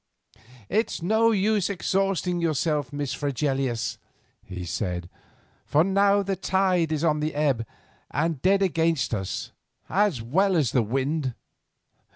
"It is no use exhausting ourselves, Miss Fregelius," he said, "for now the tide is on the ebb, and dead against us, as well as the wind."